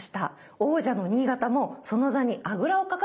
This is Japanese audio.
王者の新潟もその座にあぐらをかかずに挑戦してます。